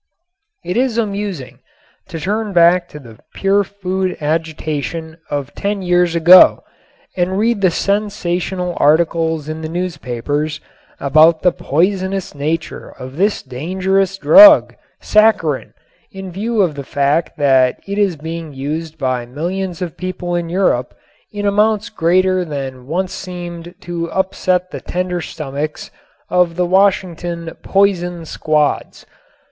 It is amusing to turn back to the pure food agitation of ten years ago and read the sensational articles in the newspapers about the poisonous nature of this dangerous drug, saccharin, in view of the fact that it is being used by millions of people in Europe in amounts greater than once seemed to upset the tender stomachs of the Washington "poison squads."